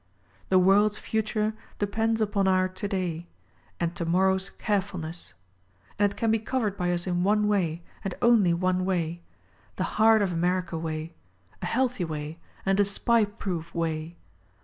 The worlds future depends upon our today, and tomorrows carefulness ; 24 SPY PROOF AMERICA and it can be covered by us in one way, and only one way — the heart of America way: A heaUhy way; and a SPY proof way.